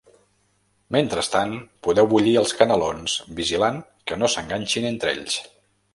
Mentrestant podeu bullir els canelons, vigilant que no s’enganxin entre ells.